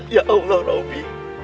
ya allah robby